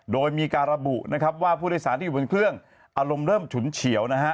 โดยมีการระบุนะครับว่าผู้โดยสารที่อยู่บนเครื่องอารมณ์เริ่มฉุนเฉียวนะฮะ